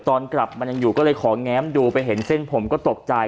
ตอนกลับมันยังอยู่ก็เลยขอแง้มดูไปเห็นเส้นผมก็ตกใจ